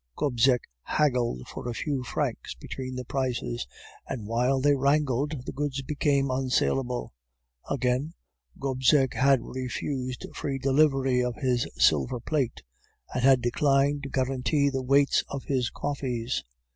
Gobseck haggled for a few francs between the prices, and while they wrangled the goods became unsalable. Again, Gobseck had refused free delivery of his silver plate, and declined to guarantee the weights of his coffees.